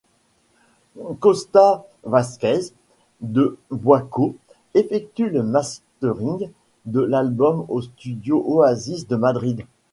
Kosta Vázquez de Boikot effectue le mastering de l'album aux studios Oasis de Madrid.